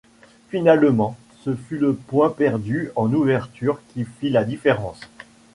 Finalement, ce fut le point perdu en ouverture qui fit la différence.